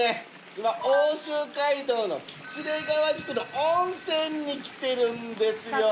今奥州街道の喜連川宿の温泉に来てるんですよ。